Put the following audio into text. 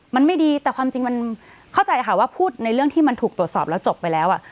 มันไม่ดีแต่ความจริงมันเข้าใจค่ะว่าพูดในเรื่องที่มันถูกตรวจสอบแล้วจบไปแล้ว